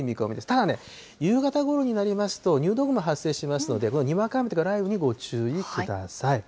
ただね、夕方ごろになりますと、入道雲発生しますので、にわか雨とか雷雨にご注意ください。